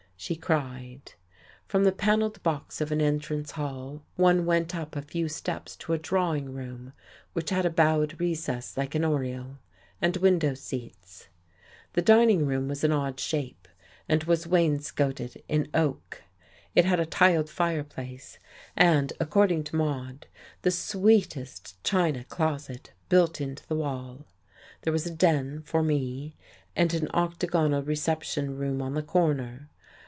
she cried. From the panelled box of an entrance hall one went up a few steps to a drawing room which had a bowed recess like an oriel, and window seats. The dining room was an odd shape, and was wainscoted in oak; it had a tiled fireplace and (according to Maude) the "sweetest" china closet built into the wall. There was a "den" for me, and an octagonal reception room on the corner.